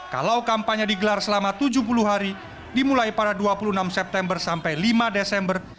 kalau kampanye digelar selama tujuh puluh hari dimulai pada dua puluh enam september sampai lima desember